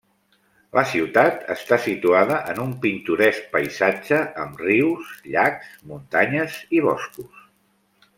La ciutat està situada en un pintoresc paisatge amb rius, llacs, muntanyes i boscos.